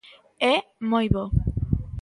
É moi bo.